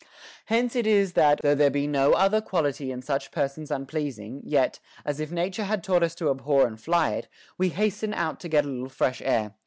Hence it is that, though there be no other quality in such persons unpleasing, yet, as if Nature had taught us to abhor and fly it, we hasten out to get a little fresh air ; WITHOUT BEING ENVIED.